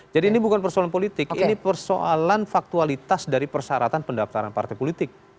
jadi ini bukan persoalan politik ini persoalan faktualitas dari persyaratan pendaftaran partai politik